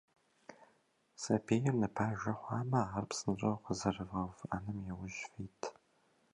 Сабийр ныбажэ хъуамэ, ар псынщӏэу къэзэрывгъэувыӏэным яужь фит.